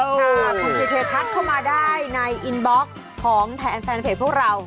คุณซีเททักเข้ามาได้ในอินบล็อกของแทนแฟนเพจพวกเรา